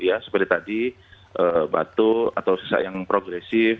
ya seperti tadi batuk atau sesak yang progresif